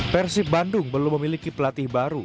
persib bandung belum memiliki pelatih baru